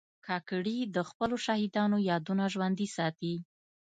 کاکړي د خپلو شهیدانو یادونه ژوندي ساتي.